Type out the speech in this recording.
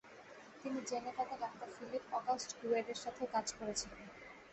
তিনি জেনেভাতে ডাঃ Philip August গুয়েয়ের সাথেও কাজ করেছিলেন।